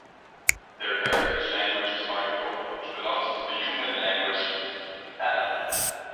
Their heritage language is Maricopa, which belongs to the Yuman language family.